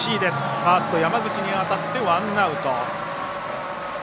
ファースト山口に渡ってワンアウト。